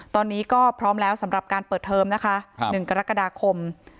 ตอนนี้ก็พร้อมแล้วสำหรับการเปิดเทอมนะคะ๑กรกฎาคม